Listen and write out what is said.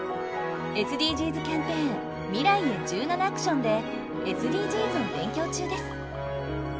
ＳＤＧｓキャンペーン「未来へ１７ａｃｔｉｏｎ」でＳＤＧｓを勉強中です。